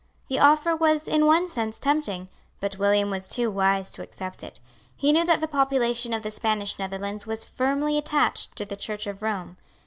The offer was in one sense tempting; but William was too wise to accept it. He knew that the population of the Spanish Netherlands was firmly attached to the Church of Rome.